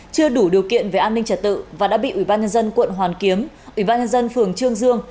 chưa đủ điều kiện về an ninh trật tự và đã bị ủy ban nhân dân quận hoàn kiếm ủy ban nhân dân phường trương dương